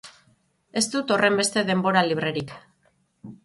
Ez dut horrenbeste denbora librerik.